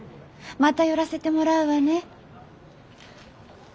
また寄らせてもらうわね。